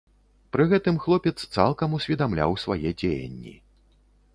Пры гэтым хлопец цалкам усведамляў свае дзеянні.